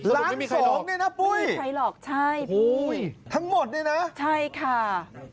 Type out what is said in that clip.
ล้าน๒เนี่ยนะปุ้ยทั้งหมดเนี่ยนะใช่พี่